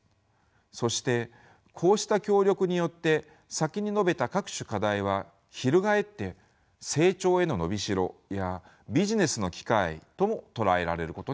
そしてこうした協力によって先に述べた各種課題は翻って成長への伸びしろやビジネスの機会とも捉えられることになります。